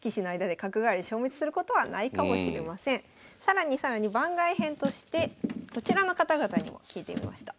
更に更に番外編としてこちらの方々にも聞いてみました。